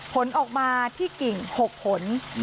ผลออกมาที่กิ่ง๖ผล